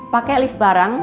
pakai lift barang